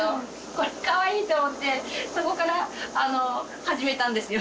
これかわいいって思ってそこから始めたんですよ。